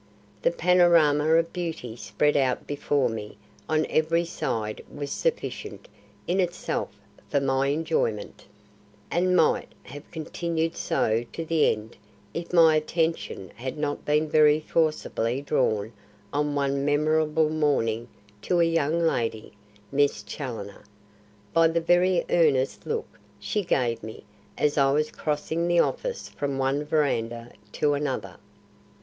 The panorama of beauty spread out before me on every side was sufficient in itself for my enjoyment, and might have continued so to the end if my attention had not been very forcibly drawn on one memorable morning to a young lady Miss Challoner by the very earnest look she gave me as I was crossing the office from one verandah to another.